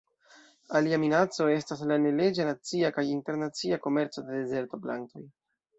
Alia minaco estas la neleĝa nacia kaj internacia komerco de dezerto-plantoj.